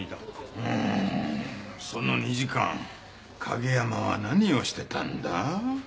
うーんその２時間景山は何をしてたんだ？